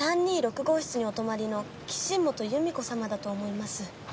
３２６５室にお泊まりの岸本由美子様だと思います。